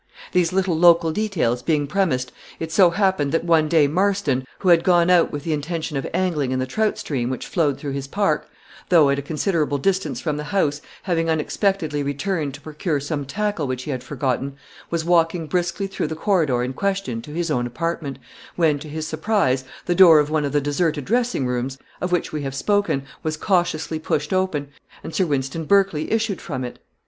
These little local details being premised, it so happened that one day Marston, who had gone out with the intention of angling in the trout stream which flowed through his park, though at a considerable distance from the house, having unexpectedly returned to procure some tackle which he had forgotten, was walking briskly through the corridor in question to his own apartment, when, to his surprise, the door of one of the deserted dressing rooms, of which we have spoken, was cautiously pushed open, and Sir Wynston Berkley issued from it.